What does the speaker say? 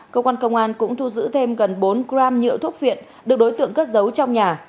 công an công an cũng thu giữ thêm gần bốn gram nhựa thuốc viện được đối tượng cất giấu trong nhà